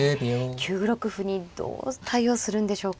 ９六歩にどう対応するんでしょうか。